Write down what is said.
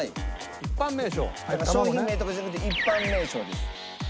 商品名とかじゃなくて一般名称です。